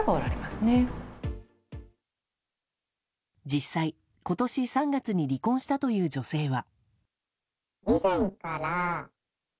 実際、今年３月に離婚したという女性は。